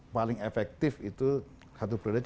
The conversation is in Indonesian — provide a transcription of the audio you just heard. paling efektif itu satu periode lima tahun